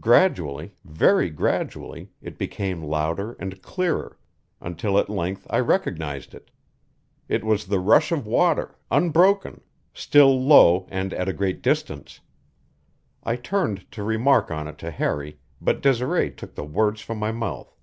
Gradually, very gradually, it became louder and clearer, until at length I recognized it. It was the rush of water, unbroken, still low and at a great distance. I turned to remark on it to Harry, but Desiree took the words from my mouth.